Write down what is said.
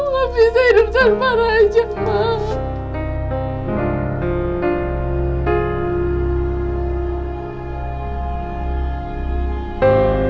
aku gak bisa hidup tanpa raja ma